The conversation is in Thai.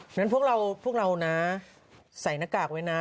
เพราะฉะนั้นพวกเรานะใส่หน้ากากไว้นะ